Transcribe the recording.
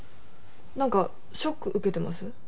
なんかショック受けてます？